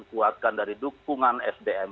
kuatkan dari dukungan sdm